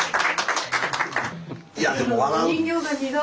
いやでも笑う。